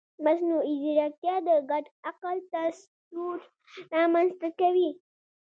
مصنوعي ځیرکتیا د ګډ عقل تصور رامنځته کوي.